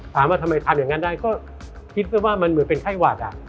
ถามว่าทำไมทำอย่างนั้นได้ก็คิดไว้ว่ามันเหมือนเป็นไข้หวัด